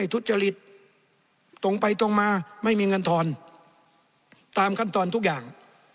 ทุจริตตรงไปตรงมาไม่มีเงินทอนตามขั้นตอนทุกอย่าง